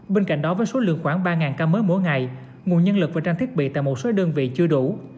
bên cạnh đó với số lượng khoảng ba ca mới mỗi ngày nguồn nhân lực và trang thiết bị tại một số đơn vị chưa đủ